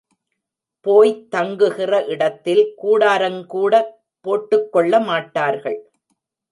போய்த் தங்குகிற இடத்தில் கூடாரங்கூடப் போட்டுக்கொள்ள மாட்டார்கள்.